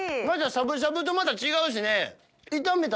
しゃぶしゃぶとまた違うしね。